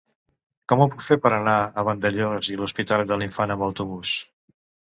Com ho puc fer per anar a Vandellòs i l'Hospitalet de l'Infant amb autobús?